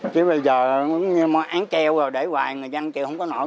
chứ bây giờ án treo rồi để hoài người dân chơi không có nổi